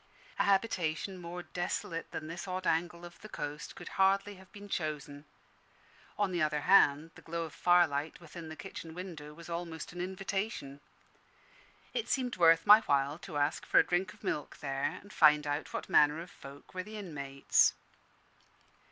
A habitation more desolate than this odd angle of the coast could hardly have been chosen; on the other hand, the glow of firelight within the kitchen window was almost an invitation. It seemed worth my while to ask for a drink of milk there, and find out what manner of folk were the inmates.